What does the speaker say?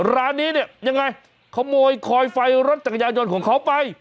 ร้านนี้เนี่ยยังไงขโมยคอยไฟรถจักรยายนต์ของเขาไป